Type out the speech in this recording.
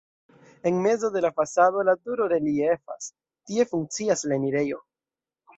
En mezo de la fasado la turo reliefas, tie funkcias la enirejo.